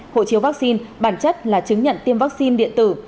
hộ chiếu vaccine bản chất là chứng nhận tiêm vaccine điện tử